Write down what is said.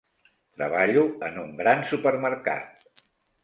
Treballo en un gran supermercat.